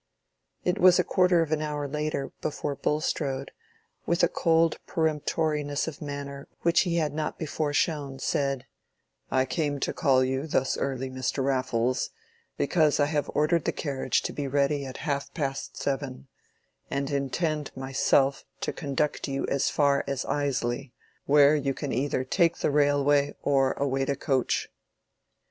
It was a quarter of an hour later before Bulstrode, with a cold peremptoriness of manner which he had not before shown, said, "I came to call you thus early, Mr. Raffles, because I have ordered the carriage to be ready at half past seven, and intend myself to conduct you as far as Ilsely, where you can either take the railway or await a coach."